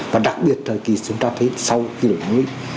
và đặc biệt thời kỳ chúng ta thấy sau khi đổi mới